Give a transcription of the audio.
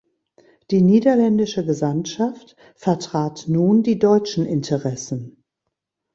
Die niederländische Gesandtschaft vertrat nun die deutschen Interessen.